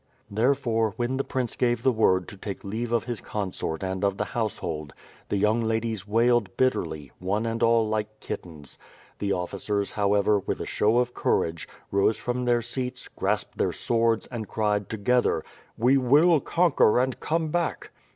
Therefore, when the prince gave the word to take leave of his consort and of the household, the young ladies wailed bitterly, one and all like kittens. The officers, however, with a show of courage, rose from their scats, grasped their swords and cried together: "We will conquer and come back."